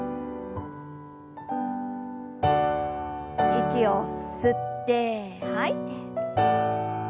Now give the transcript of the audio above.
息を吸って吐いて。